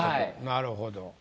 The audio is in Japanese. なるほど。